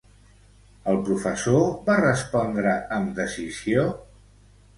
El professor va respondre amb decisió?